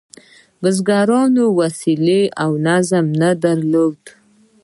بزګرانو وسلې او نظم نه درلود.